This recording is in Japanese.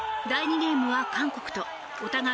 ゲームは韓国とお互い